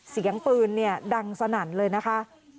เสียงปืนดังสนั่นเลยนะคะ